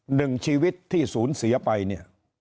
หนึ่งชีวิตที่ศูนย์เสียไป